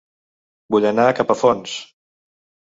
Vull anar a Capafonts